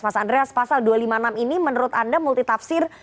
mas andreas pasal dua ratus lima puluh enam ini menurut anda multitafsir